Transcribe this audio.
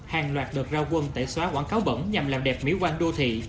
hàng loạt đợt rao quân tẩy xóa quảng cáo bẩn nhằm làm đẹp miễu quan đô thị